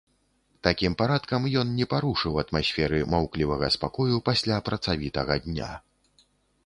Такім парадкам ён не парушыў атмасферы маўклівага спакою пасля працавітага дня.